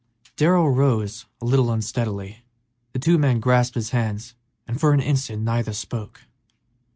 Darrell rose a little unsteadily; the two men grasped hands and for an instant neither spoke.